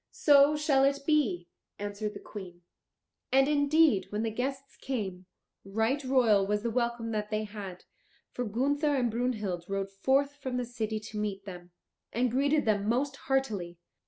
"So shall it be," answered the Queen. And indeed, when the guests came, right royal was the welcome that they had. For Gunther and Brunhild rode forth from the city to meet them, and greeted them most heartily.